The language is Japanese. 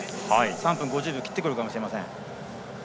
３分５０秒を切ってくるかもしれません。